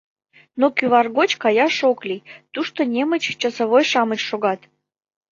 Но кӱвар гоч каяш ок лий, тушто немыч часовой-шамыч шогат.